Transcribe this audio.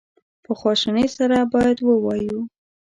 په خواشینی سره باید ووایو.